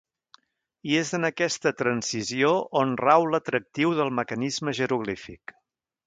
I és en aquesta transició on rau l'atractiu del mecanisme jeroglífic.